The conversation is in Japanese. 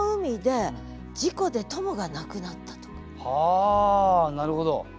あなるほど。